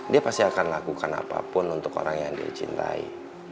dia pasti akan lakukan apapun untuk orang yang dia cintai